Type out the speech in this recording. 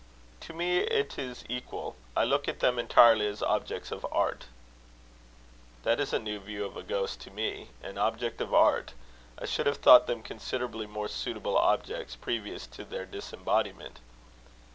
"To me it is equal. I look at them entirely as objects of art." "That is a new view of a ghost to me. An object of art? I should have thought them considerably more suitable objects previous to their disembodiment."